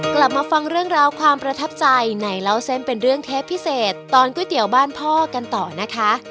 กลับมาฟังเรื่องราวความประทับใจในเล่าเส้นเป็นเรื่องเทปพิเศษตอนก๋วยเตี๋ยวบ้านพ่อกันต่อนะคะ